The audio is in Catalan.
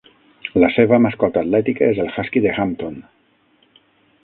La seva mascota atlètica és el Husky de Hampton.